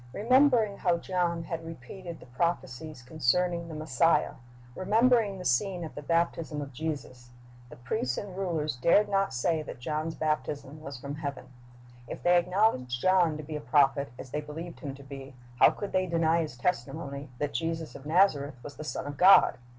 "^ Remembering how John had repeated the prophecies concerning the Messiah, remembering the scene at the baptism of Jesus, the priests and rulers dared not say that John's baptism was from heaven. If they acknowledged John to be a prophet, as they believed him to be, how could they deny his testimony that Jesus of Nazareth was the Son of God?